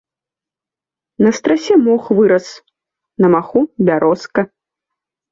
На страсе мох вырас, на маху бярозка.